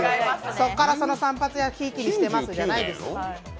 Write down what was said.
そこからその散髪屋ひいきにしてますじゃないです。